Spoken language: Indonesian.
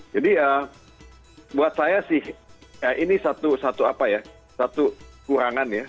jadi ya buat saya sih ini satu satu apa ya satu kurangan ya